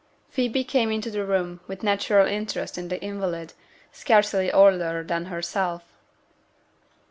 Phoebe came into the room, with natural interest in the invalid, scarcely older than herself.